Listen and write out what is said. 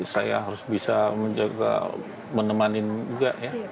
saya harus bisa menjaga menemanin juga ya